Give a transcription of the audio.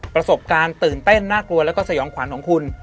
ประสบการณ์ตื่นเต้นน่ากลัวแล้วก็สยองขวัญของคุณ